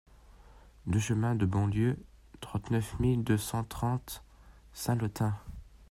deux chemin de Bonlieu, trente-neuf mille deux cent trente Saint-Lothain